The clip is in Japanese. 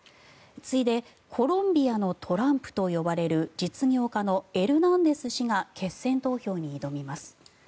次いでコロンビアのトランプと呼ばれる実業家のエルナンデス氏が決選投票に挑みます。